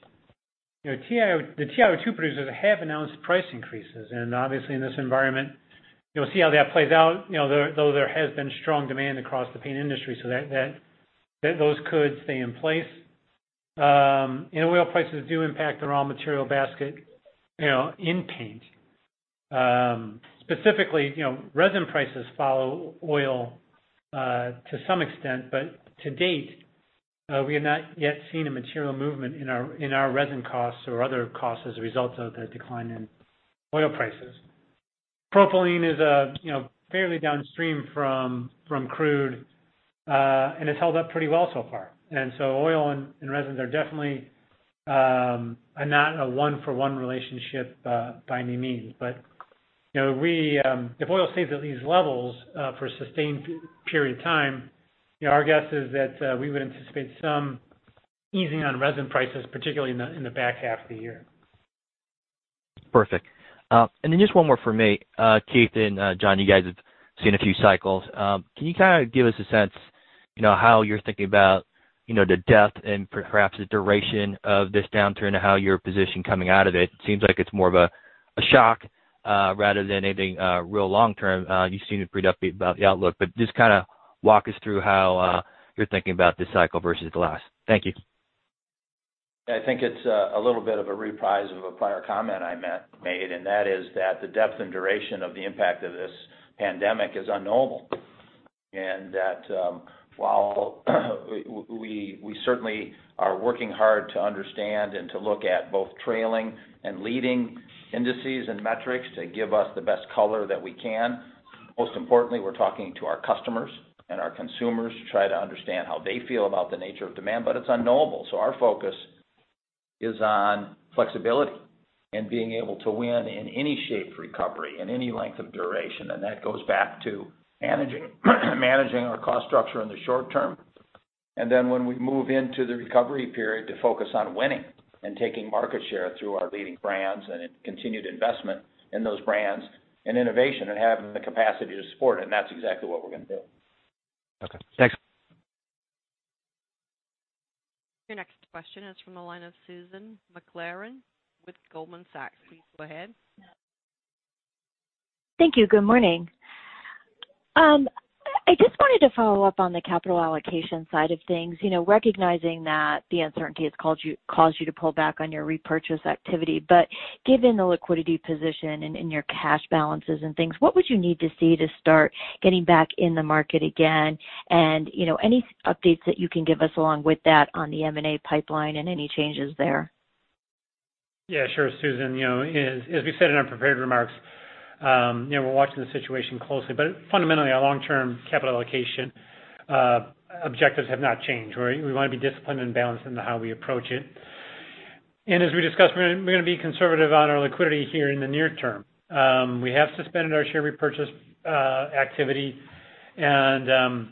the TiO2 producers have announced price increases. Obviously in this environment, you'll see how that plays out. Though there has been strong demand across the paint industry, so those could stay in place. Oil prices do impact the raw material basket in paint. Specifically, resin prices follow oil to some extent. To date, we have not yet seen a material movement in our resin costs or other costs as a result of the decline in oil prices. Propylene is fairly downstream from crude, and it's held up pretty well so far. Oil and resins are definitely not a one-for-one relationship by any means. If oil stays at these levels for a sustained period of time, our guess is that we would anticipate some easing on resin prices, particularly in the back half of the year. Perfect. Then just one more for me. Keith and John, you guys have seen a few cycles. Can you kind of give us a sense how you're thinking about the depth and perhaps the duration of this downturn and how you're positioned coming out of it? It seems like it's more of a shock rather than anything real long-term. You seem pretty upbeat about the outlook. Just kind of walk us through how you're thinking about this cycle versus the last. Thank you. I think it's a little bit of a reprise of a prior comment I made. That is that the depth and duration of the impact of this pandemic is unknowable. While we certainly are working hard to understand and to look at both trailing and leading indices and metrics to give us the best color that we can. Most importantly, we're talking to our customers and our consumers to try to understand how they feel about the nature of demand. It's unknowable. Our focus is on flexibility and being able to win in any shaped recovery, in any length of duration. That goes back to managing our cost structure in the short term. When we move into the recovery period to focus on winning and taking market share through our leading brands and continued investment in those brands and innovation and having the capacity to support it. That's exactly what we're going to do. Okay, thanks. Your next question is from the line of Susan Maklari with Goldman Sachs. Please go ahead. Thank you. Good morning. I just wanted to follow up on the capital allocation side of things, recognizing that the uncertainty has caused you to pull back on your repurchase activity. Given the liquidity position and your cash balances and things, what would you need to see to start getting back in the market again? Any updates that you can give us along with that on the M&A pipeline and any changes there? Yeah, sure, Susan. As we said in our prepared remarks, we're watching the situation closely. Fundamentally, our long-term capital allocation objectives have not changed, where we want to be disciplined and balanced in how we approach it. As we discussed, we're going to be conservative on our liquidity here in the near term. We have suspended our share repurchase activity, and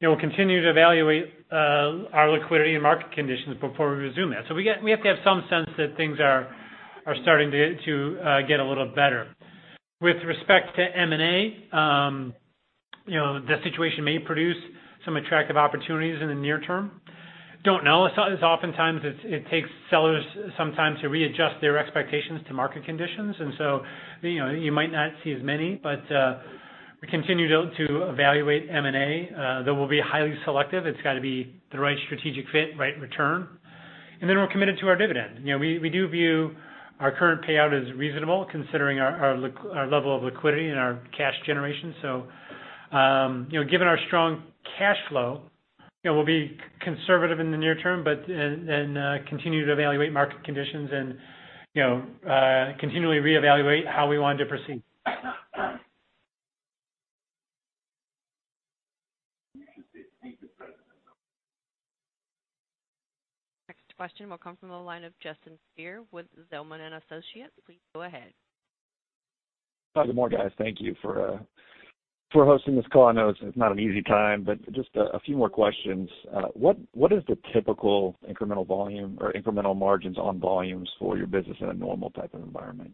we'll continue to evaluate our liquidity and market conditions before we resume that. We have to have some sense that things are starting to get a little better. With respect to M&A, the situation may produce some attractive opportunities in the near term. Don't know. Oftentimes it takes sellers some time to readjust their expectations to market conditions. You might not see as many, but we continue to evaluate M&A, though we'll be highly selective. It's got to be the right strategic fit, right return. We're committed to our dividend. We do view our current payout as reasonable considering our level of liquidity and our cash generation. Given our strong cash flow, we'll be conservative in the near term and continue to evaluate market conditions and continually reevaluate how we want to proceed. You should see the president. Next question will come from the line of Justin Speer with Zelman & Associates. Please go ahead. Hi. Good morning, guys. Thank you for hosting this call. I know it's not an easy time, but just a few more questions. What is the typical incremental volume or incremental margins on volumes for your business in a normal type of environment?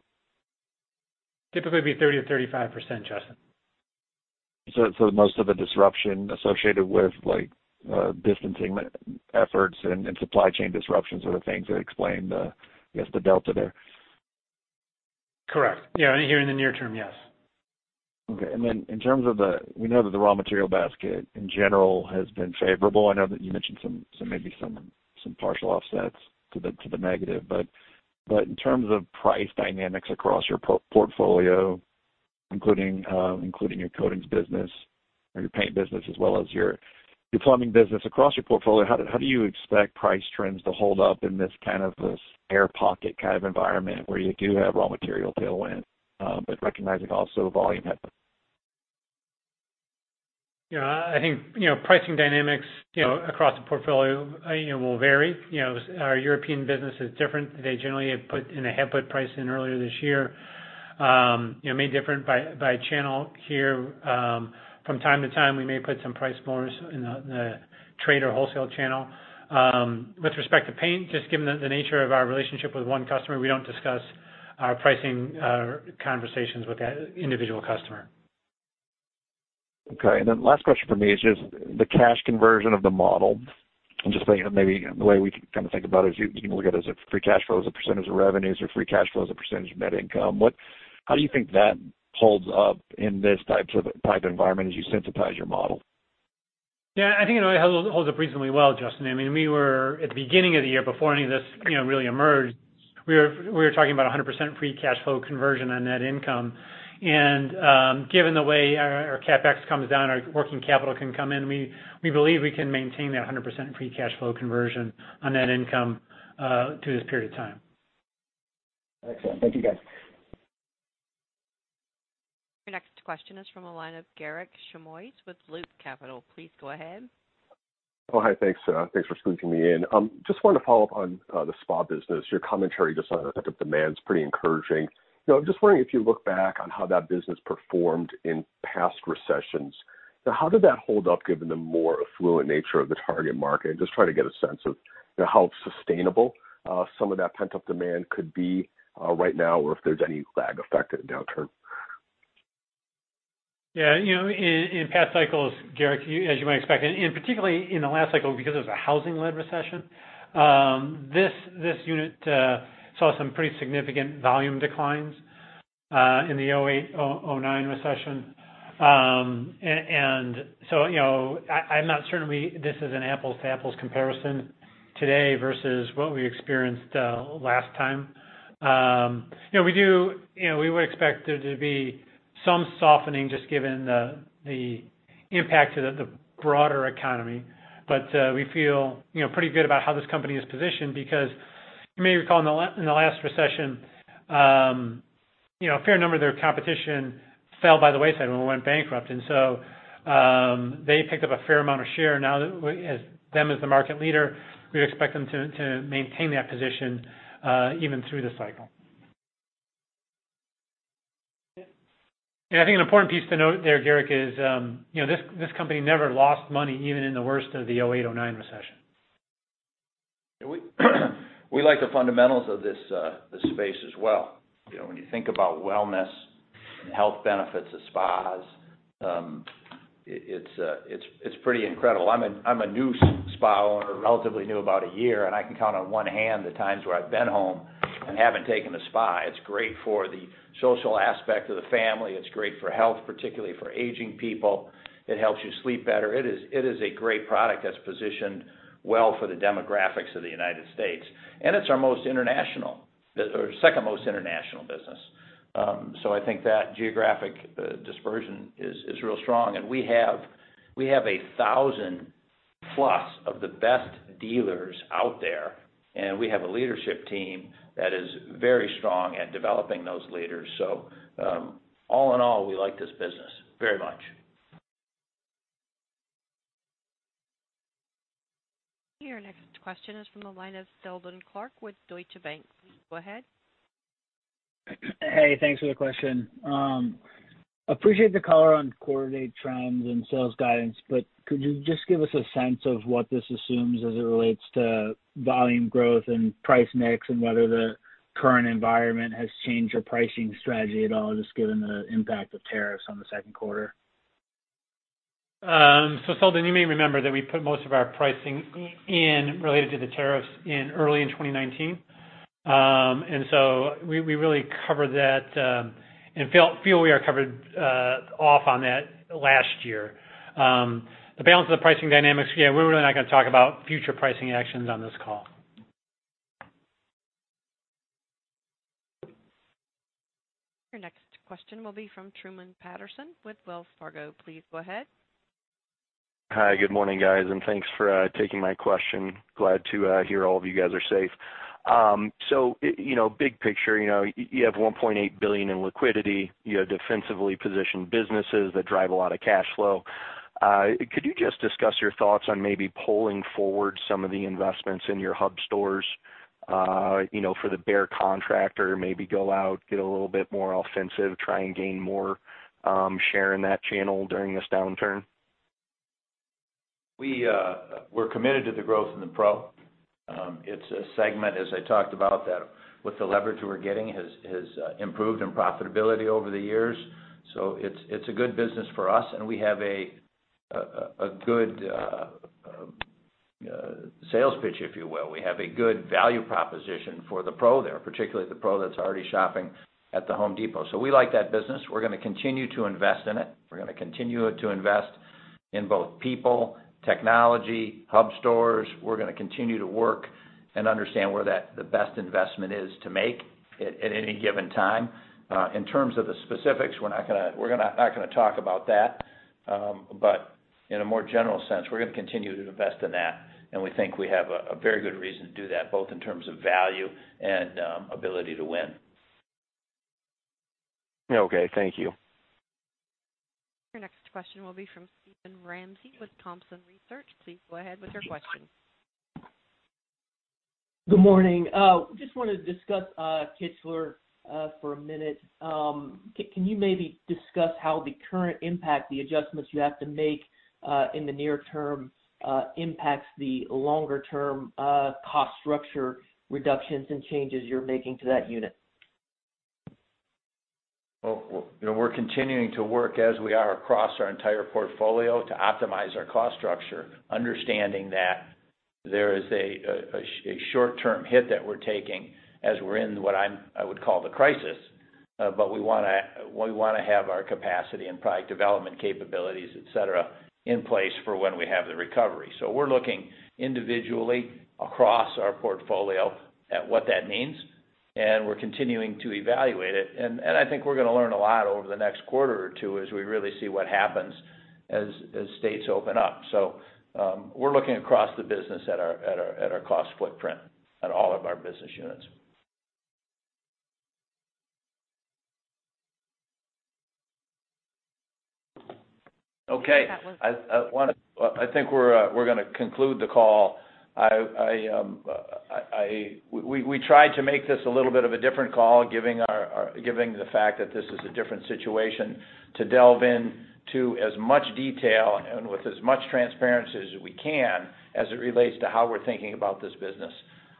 Typically it'd be 30%-35%, Justin. Most of the disruption associated with distancing efforts and supply chain disruptions are the things that explain the, I guess, the Delta there. Correct. Yeah. Here in the near term, yes. Okay. Then in terms of, we know that the raw material basket, in general, has been favorable. I know that you mentioned maybe some partial offsets to the negative. In terms of price dynamics across your portfolio, including your coatings business or your paint business, as well as your plumbing business, across your portfolio, how do you expect price trends to hold up in this kind of air pocket kind of environment, where you do have raw material tailwind, but recognizing also volume? Yeah. I think, pricing dynamics across the portfolio will vary. Our European business is different. They generally have put in a, have put price in earlier this year. May differ by channel here. From time to time, we may put some price floors in the trade or wholesale channel. With respect to paint, just given the nature of our relationship with one customer, we don't discuss our pricing conversations with that individual customer. Okay. Last question from me is just the cash conversion of the model. Just maybe the way we kind of think about it is you can look at it as if free cash flow as a percent of revenues or free cash flow as a % of net income. How do you think that holds up in this type environment as you synthesize your model? Yeah, I think it holds up reasonably well, Justin. At the beginning of the year, before any of this really emerged, we were talking about 100% free cash flow conversion on net income. Given the way our CapEx comes down, our working capital can come in. We believe we can maintain that 100% free cash flow conversion on net income through this period of time. Excellent. Thank you, guys. Your next question is from the line of Garik Shmois with Loop Capital. Please go ahead. Oh, hi. Thanks for squeezing me in. Just wanted to follow up on the spa business, your commentary just on the pent-up demand is pretty encouraging. I'm just wondering if you look back on how that business performed in past recessions, how did that hold up given the more affluent nature of the target market? Just try to get a sense of how sustainable some of that pent-up demand could be right now, or if there's any lag effect at downturn. Yeah. In past cycles, Garik, as you might expect, and particularly in the last cycle, because it was a housing-led recession, this unit saw some pretty significant volume declines in the 2008-2009 recession. I'm not certain this is an apples to apples comparison today versus what we experienced last time. We would expect there to be some softening just given the impact to the broader economy. We feel pretty good about how this company is positioned because you may recall in the last recession, a fair number of their competition fell by the wayside and went bankrupt. They picked up a fair amount of share. Them as the market leader, we'd expect them to maintain that position even through this cycle. I think an important piece to note there, Garik, is this company never lost money even in the worst of the 2008-2009 recession. We like the fundamentals of this space as well. When you think about wellness and health benefits of spas, it's pretty incredible. I'm a new spa owner, relatively new, about one year, and I can count on one hand the times where I've been home and haven't taken a spa. It's great for the social aspect of the family. It's great for health, particularly for aging people. It helps you sleep better. It is a great product that's positioned well for the demographics of the United States, and it's our most international, or second most international business. I think that geographic dispersion is real strong, and we have 1,000 plus of the best dealers out there, and we have a leadership team that is very strong at developing those leaders. All in all, we like this business very much. Your next question is from the line of Seldon Clarke with Deutsche Bank. Please go ahead. Hey, thanks for the question. Appreciate the color on quarter-date trends and sales guidance, could you just give us a sense of what this assumes as it relates to volume growth and price mix, and whether the current environment has changed your pricing strategy at all, just given the impact of tariffs on the second quarter? Seldon, you may remember that we put most of our pricing in, related to the tariffs, early in 2019. We really covered that, and feel we are covered off on that last year. The balance of the pricing dynamics, yeah, we're really not gonna talk about future pricing actions on this call. Your next question will be from Truman Patterson with Wells Fargo. Please go ahead. Good morning, guys, and thanks for taking my question. Glad to hear all of you guys are safe. Big picture, you have $1.8 billion in liquidity. You have defensively positioned businesses that drive a lot of cash flow. Could you just discuss your thoughts on maybe pulling forward some of the investments in your hub stores for the Behr contract or maybe go out, get a little bit more offensive, try and gain more share in that channel during this downturn? We're committed to the growth in the pro. It's a segment, as I talked about, that with the leverage we're getting, has improved in profitability over the years. It's a good business for us, and we have a good sales pitch, if you will. We have a good value proposition for the pro there, particularly the pro that's already shopping at The Home Depot. We like that business. We're going to continue to invest in it. We're going to continue to invest in both people, technology, hub stores. We're going to continue to work and understand where the best investment is to make at any given time. In terms of the specifics, we're not going to talk about that. In a more general sense, we're going to continue to invest in that, and we think we have a very good reason to do that, both in terms of value and ability to win. Okay. Thank you. Your next question will be from Steven Ramsey with Thompson Research. Please go ahead with your question. Good morning. Just wanted to discuss Kichler for a minute. Can you maybe discuss how the current impact, the adjustments you have to make in the near term impacts the longer-term cost structure reductions and changes you're making to that unit? We're continuing to work as we are across our entire portfolio to optimize our cost structure, understanding that there is a short-term hit that we're taking as we're in what I would call the crisis. We want to have our capacity and product development capabilities, et cetera, in place for when we have the recovery. We're looking individually across our portfolio at what that means, and we're continuing to evaluate it. I think we're going to learn a lot over the next quarter or two as we really see what happens as states open up. We're looking across the business at our cost footprint at all of our business units. Okay. I think we're going to conclude the call. We tried to make this a little bit of a different call, given the fact that this is a different situation, to delve into as much detail and with as much transparency as we can as it relates to how we're thinking about this business.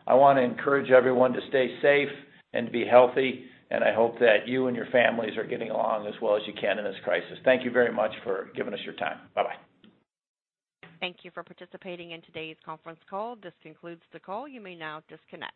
I want to encourage everyone to stay safe and be healthy, and I hope that you and your families are getting along as well as you can in this crisis. Thank you very much for giving us your time. Bye-bye. Thank you for participating in today's conference call. This concludes the call. You may now disconnect.